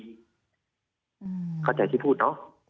เข้าใจที่พูดเนอะ